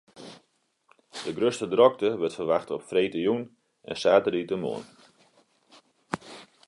De grutste drokte wurdt ferwachte op freedtejûn en saterdeitemoarn.